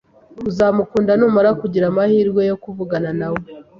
Uzamukunda numara kugira amahirwe yo kuvugana nawe.